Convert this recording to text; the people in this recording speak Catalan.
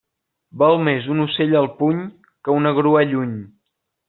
Val més un ocell al puny que una grua lluny.